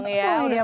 udah sebulan nih